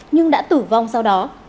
nhưng đã tử vong sau đó